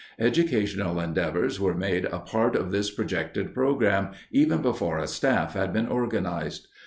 Educational endeavors were made a part of his projected program even before a staff had been organized.